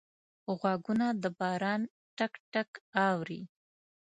غوږونه د باران ټک ټک اوري